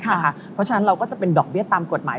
เพราะฉะนั้นเราก็จะเป็นดอกเบี้ยตามกฎหมาย